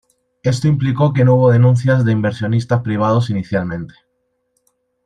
Esto implicó que no hubo denuncias de inversionistas privados inicialmente.